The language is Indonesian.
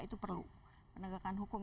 itu perlu penegakan hukum